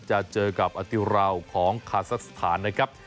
จะเจอกับอติราวของคาซักสถานนะครับ